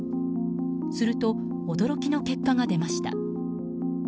すると驚きの結果が出ました。